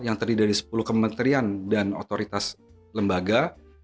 yang terdiri dari sepuluh kementerian dan otoritas lembaga